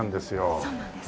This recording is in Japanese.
そうなんです